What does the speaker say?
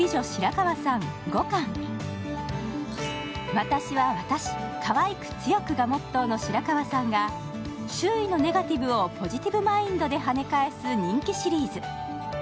「私は私、可愛く強く！」がモットーの白川さんが周囲のネガティブをポジティブマインドではね返す人気シリーズ。